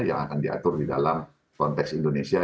yang akan diatur di dalam konteks indonesia